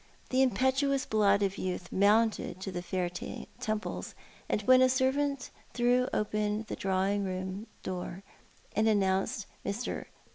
The impetuous blood of youth mounted to the fair temples, and when a servant threw open the drawing room door and announced i\lr.